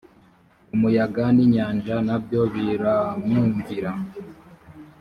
umuyaga n inyanja na byo biramwumvira